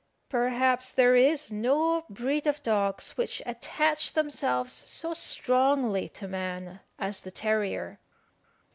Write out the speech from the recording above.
Perhaps there is no breed of dogs which attach themselves so strongly to man as the terrier.